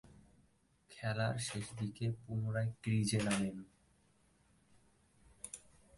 খেলার শেষদিকে পুনরায় ক্রিজে নামেন।